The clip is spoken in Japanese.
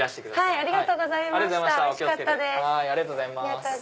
ありがとうございます。